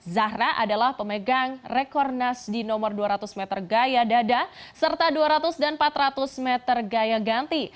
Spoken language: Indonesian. zahra adalah pemegang rekornas di nomor dua ratus meter gaya dada serta dua ratus dan empat ratus meter gaya ganti